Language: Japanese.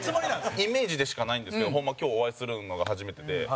イメージでしかないんですけど今日、お会いするのが初めてで。